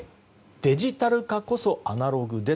デジタル化こそアナログで？